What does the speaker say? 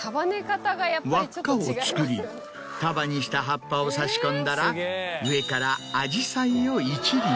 輪っかを作り束にした葉っぱをさし込んだら上から紫陽花を１輪。